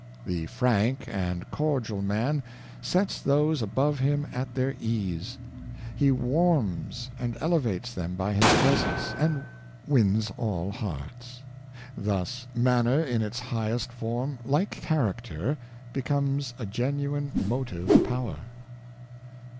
The frank and cordial man Indications of Self respect. 529 sets those about him at their ease. He warms and ele vates them by his presence, and wins all hearts. Thus manner, in its highest form, like character, becomes a genuine motive power.